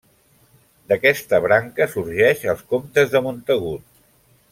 D'aquesta branca sorgeix els comtes de Montagut.